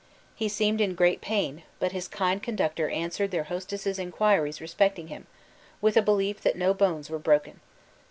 He seemed in great pain, but his kind conductor answered their hostess' inquiries respecting him, with a belief that no bones were broken.